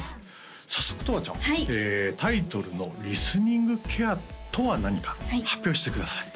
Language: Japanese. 早速とわちゃんタイトルの「リスニングケア」とは何か発表してください